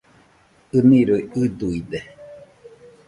ɨniroi ɨduide